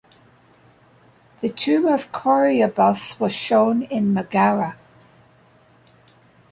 The tomb of Coroebus was shown in Megara.